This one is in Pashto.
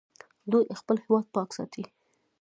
دوی خپل هیواد پاک ساتي.